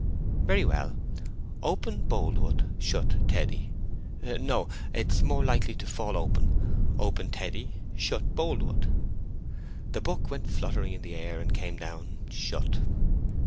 "Very well. Open, Boldwood—shut, Teddy. No; it's more likely to fall open. Open, Teddy—shut, Boldwood." The book went fluttering in the air and came down shut.